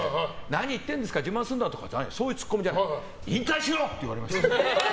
何言ってるんですかとかじゃないそういうツッコミじゃない引退しろ！って言われました。